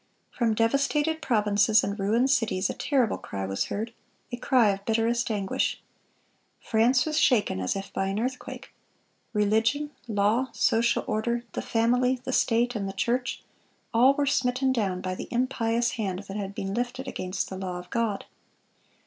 From devastated provinces and ruined cities a terrible cry was heard,—a cry of bitterest anguish. France was shaken as if by an earthquake. Religion, law, social order, the family, the state, and the church,—all were smitten down by the impious hand that had been lifted against the law of God.